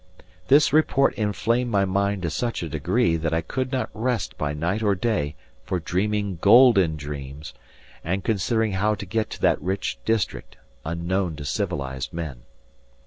This report inflamed my mind to such a degree that I could not rest by night or day for dreaming golden dreams, and considering how to get to that rich district, unknown to civilized men.